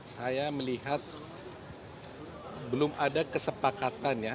saya melihat belum ada kesepakatannya